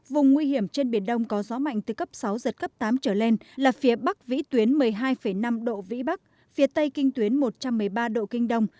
vùng nguy hiểm trên biển đông có gió mạnh từ cấp sáu giật cấp tám trở lên là phía bắc vĩ tuyến một mươi hai năm độ vĩ bắc phía tây kinh tuyến một trăm một mươi ba độ kinh đông